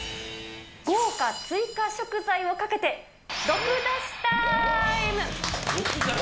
豪華追加食材をかけて、毒出しタ毒出しタイム？